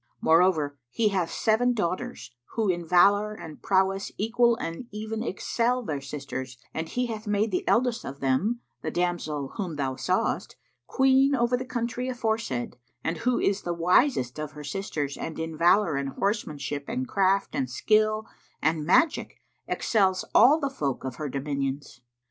Moreover, he hath seven daughters, who in valour and prowess equal and even excel their sisters,[FN#66] and he hath made the eldest of them, the damsel whom thou sawest,[FN#67] queen over the country aforesaid and who is the wisest of her sisters and in valour and horsemanship and craft and skill and magic excels all the folk of her dominions.